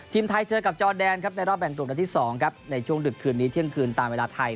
ทีมไทยเจอกับจอแดนครับในรอบแบ่งกลุ่มนัดที่๒ครับในช่วงดึกคืนนี้เที่ยงคืนตามเวลาไทย